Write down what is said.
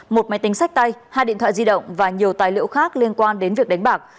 một máy tính sách tay hai điện thoại di động và nhiều tài liệu khác liên quan đến việc đánh bạc